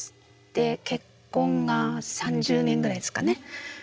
で結婚が３０年ぐらいですかね。